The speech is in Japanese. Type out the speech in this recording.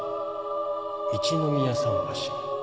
一の宮桟橋